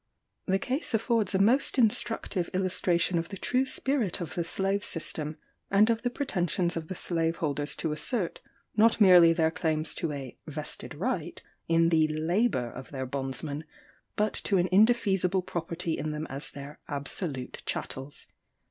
] The case affords a most instructive illustration of the true spirit of the slave system, and of the pretensions of the slave holders to assert, not merely their claims to a "vested right" in the labour of their bondmen, but to an indefeasible property in them as their "absolute chattels."